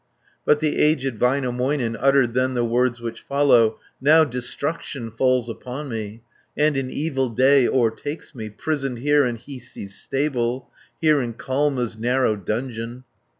But the aged Väinämöinen, Uttered then the words which follow: "Now destruction falls upon me, And an evil day o'ertakes me, Prisoned here in Hiisi's stable, Here in Kalma's narrow dungeon."